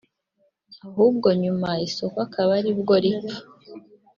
ahubwo nyuma isoko akaba aribwo ripfa